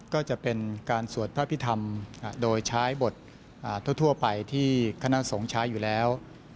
ก็จะเป็นการสวดพระพิธรรมโดยใช้บททั่วไปที่คณะสงฆ์ใช้อยู่แล้ว